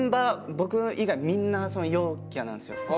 僕以外みんな陽キャなんですよ。